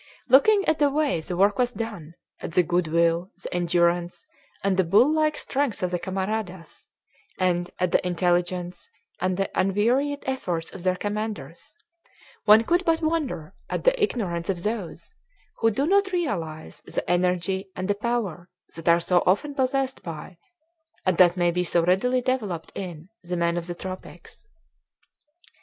Looking at the way the work was done, at the good will, the endurance, and the bull like strength of the camaradas, and at the intelligence and the unwearied efforts of their commanders, one could but wonder at the ignorance of those who do not realize the energy and the power that are so often possessed by, and that may be so readily developed in, the men of the tropics.